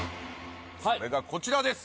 それがこちらです